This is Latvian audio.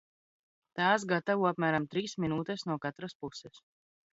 Tās gatavo apmēram trīs minūtes no katras puses.